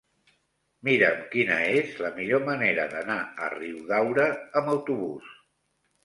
Mira'm quina és la millor manera d'anar a Riudaura amb autobús.